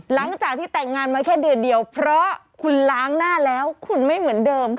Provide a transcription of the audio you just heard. หลังจากที่แต่งงานมาแค่เดือนเดียวเพราะคุณล้างหน้าแล้วคุณไม่เหมือนเดิม